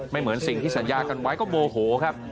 เหมือนสิ่งที่สัญญากันไว้ก็โมโหครับ